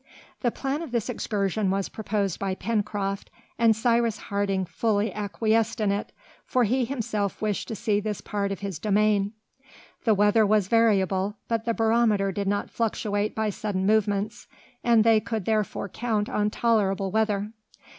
The plan of this excursion was proposed by Pencroft, and Cyrus Harding fully acquiesced in it, for he himself wished to see this part of his domain. The weather was variable, but the barometer did not fluctuate by sudden movements, and they could therefore count on tolerable weather.